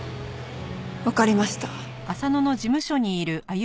わかりました。